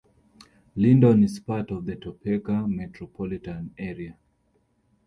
Lyndon is part of the Topeka metropolitan area.